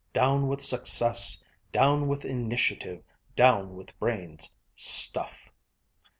'Down with success! Down with initiative! Down with brains!' Stuff!"